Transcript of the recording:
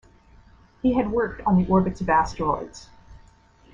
He had worked on the orbits of asteroids.